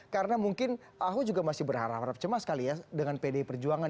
karena mungkin ahok juga masih berharap harap cemas sekali ya dengan pd perjuangan